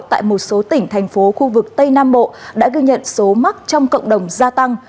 tại một số tỉnh thành phố khu vực tây nam bộ đã ghi nhận số mắc trong cộng đồng gia tăng